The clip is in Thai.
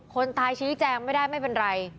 คนตายชี้แจงไม่ได้ไม่เป็นไร